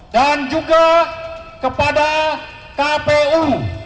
dan juga kepada kpu